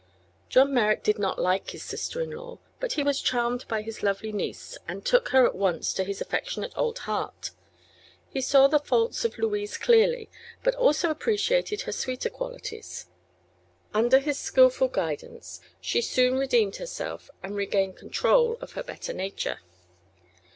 John Merrick did not like his sister in law, but he was charmed by his lovely niece and took her at once to his affectionate old heart. He saw the faults of Louise clearly, but also appreciated her sweeter qualities. Under his skillful guidance she soon redeemed herself and regained control of her better nature.